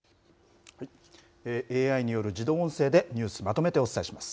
ＡＩによる自動音声でニュースまとめてお伝えします。